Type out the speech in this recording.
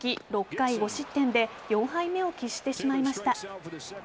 ６回５失点で４敗目を喫してしまいました。